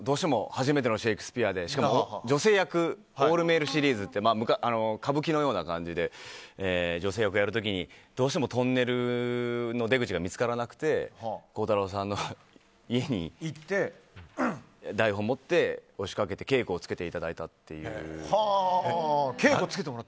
初めてのシェイクスピアでしかも女性役でオールメールシリーズっていう女性役をやる時にどうしてもトンネルの出口が見つからなくて鋼太郎さんの家に台本を持って押しかけて稽古をつけていただいたという。